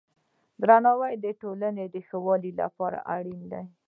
درناوی د ټولنې د ښه والي لپاره اړین دی.